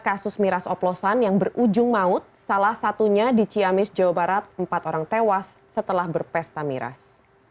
kasus miras oplosan yang berujung maut salah satunya di ciamis jawa barat empat orang tewas setelah berpesta miras